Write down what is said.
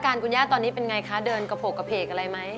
คุณย่าตอนนี้เป็นไงคะเดินกระโพกกระเพกอะไรไหม